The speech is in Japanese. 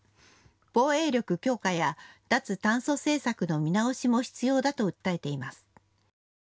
防衛力強化や脱炭素政策の見直しも必要だと訴えています。